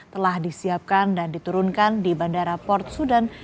telah disiapkan dan diturunkan di bandara port sudan